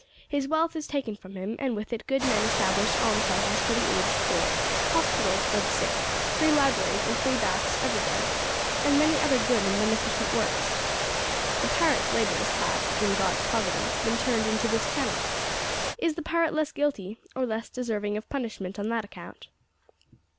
His wealth is taken from him, and with it good men establish almshouses for the aged poor, hospitals for the sick, free libraries and free baths everywhere, and many other good and beneficent works. The pirate's labours have, in God's providence, been turned into this channel. Is the pirate less guilty, or less deserving of punishment on that account?"